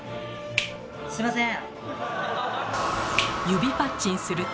すみません！